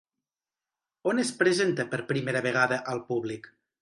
On es presenta per primera vegada al públic?